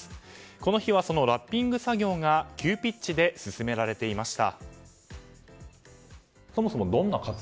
この日はラッピング作業が急ピッチで進められていました。